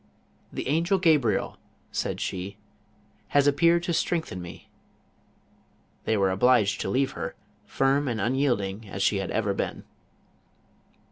"The angel Gabriel," said she, '• has appeared to strengthen me." They were obliged to leave her, firm and un yielding as she had ever been.